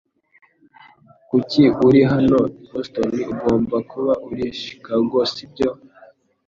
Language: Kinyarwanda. Kuki uri hano i Boston? Ugomba kuba uri Chicago, sibyo?